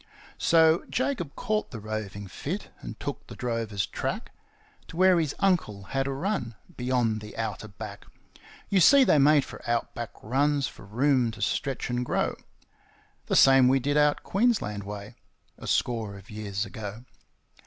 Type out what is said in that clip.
So Jacob caught the roving fit and took the drovers' track To where his uncle had a run, beyond the outer back; You see they made for out back runs for room to stretch and grow, The same we did out Queensland way, a score of years ago.